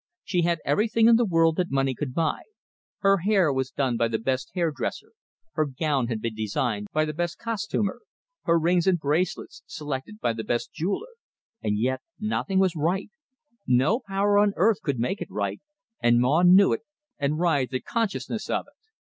She had everything in the world that money could buy; her hair was done by the best hair dresser, her gown had been designed by the best costumer, her rings and bracelets selected by the best jeweller; and yet nothing was right, no power on earth could make it right, and Maw knew it, and writhed the consciousness of it.